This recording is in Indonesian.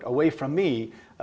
di luar dari saya